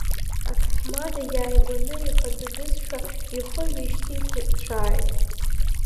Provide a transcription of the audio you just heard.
Аҭаҳмада иааигәаны ихадыдызшәа ихы ҩышьҭикәыцәааит.